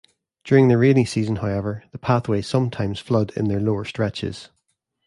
During the rainy season, however, the pathways sometimes flood in their lower stretches.